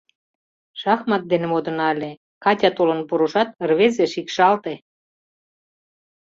— Шахмат дене модына ыле, Катя толын пурышат, рвезе шикшалте.